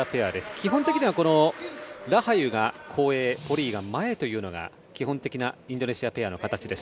基本的にはラハユが後衛ポリイが前というのが基本的なインドネシアペアの形です。